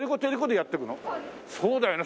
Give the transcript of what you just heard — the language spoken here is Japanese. そうだよね。